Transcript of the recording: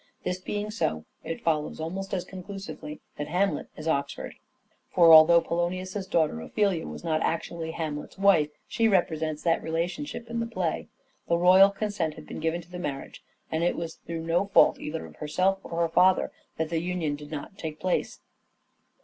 This being so, it follows almost as conclusively, that Hamlet is Oxford. For, although Polonius's daughter, Ophelia, was not actually Hamlet's wife, she represents that relationship in the play. The royal consent had been given to the marriage, and it was through no fault either of herself or her father that the union did not take place.